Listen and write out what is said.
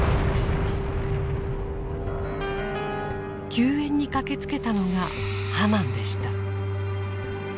救援に駆けつけたのが「ハマン」でした。